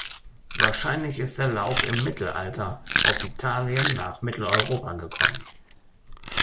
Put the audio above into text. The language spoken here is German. Wahrscheinlich ist der Lauch im Mittelalter aus Italien nach Mitteleuropa gekommen.